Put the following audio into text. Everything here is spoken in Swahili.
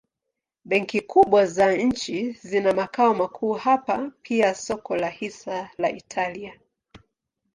Benki kubwa za nchi zina makao makuu hapa pia soko la hisa la Italia.